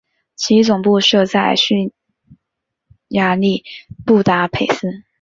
其总部设在匈牙利布达佩斯。